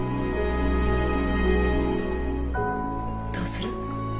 どうする？